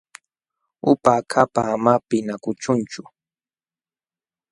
Upa akapa ama pinqakuchunchu.